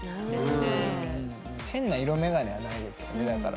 変な色眼鏡はないですよねだから。